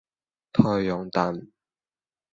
太陽蛋